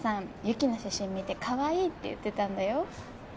雪の写真見てかわいいって言ってたんだよ。